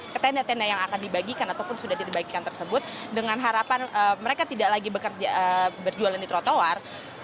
ke tenda tenda yang akan dibagikan ataupun sudah dibagikan tersebut dengan harapan mereka tidak lagi berjualan di trotoar